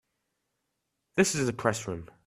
This is the Press Room.